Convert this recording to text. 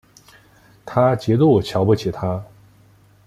她极度瞧不起他